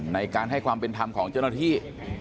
ในการให้ความเป็นธรรมของเจ้าหน้าที่